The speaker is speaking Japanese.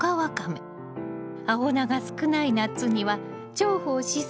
青菜が少ない夏には重宝しそうね。